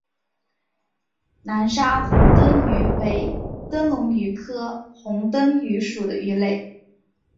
南沙虹灯鱼为灯笼鱼科虹灯鱼属的鱼类。